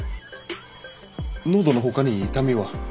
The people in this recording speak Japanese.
喉のほかに痛みは？